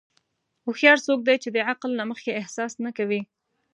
هوښیار څوک دی چې د عقل نه مخکې احساس نه کوي.